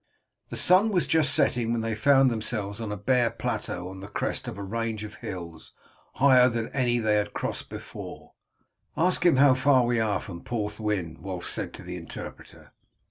The sun was just setting when they found themselves on a bare plateau on the crest of a range of hills higher than any they had before crossed. "Ask him how far we are from Porthwyn," Wulf said to the interpreter.